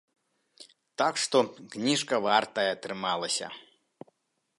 Так што, кніжка вартая атрымалася!